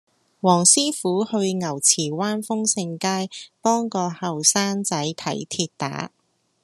黃師傅去牛池灣豐盛街幫個後生仔睇跌打